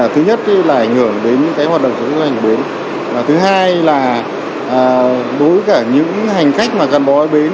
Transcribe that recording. tần suất giảm thì rõ ràng là nếu mà những hành khách mà gắn bói bến